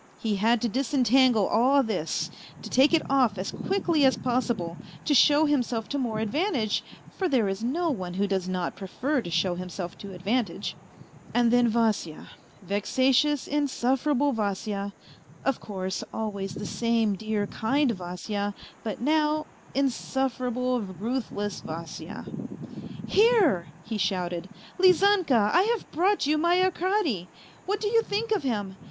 He had to disentangle all this, to take it off as quickly as possible, to show himself to more advantage, for there is no one who does not prefer to show himself to advantage. And then Vasya, vexa tious insufferable Vasya, of course always the same dear kind 170 A FAINT HEART Vasya, but now insufferable, ruthless Vasya. " Here," he shouted, " Lizanka, I have brought you my Arkady ? What do you think of him